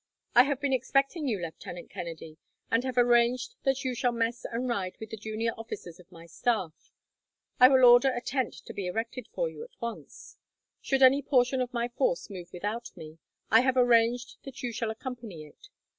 "I have been expecting you, Lieutenant Kennedy, and have arranged that you shall mess and ride with the junior officers of my staff. I will order a tent to be erected for you, at once. Should any portion of my force move without me, I have arranged that you shall accompany it.